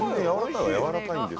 やわらかい。